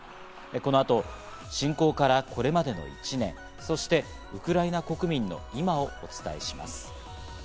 この後、侵攻からこれまでの１年、そしてウクライナ国民の今をお伝えします。